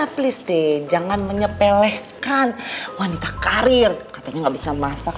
applease deh jangan menyepelehkan wanita karir katanya nggak bisa masak